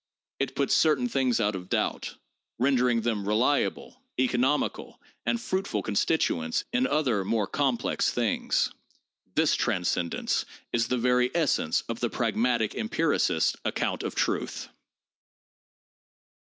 It puts certain things out of doubt, rendering them reliable, econom ical and fruitful constituents in other more complex things. This transcendence is the very essence of the pragmatic empiricist's ac count of truth.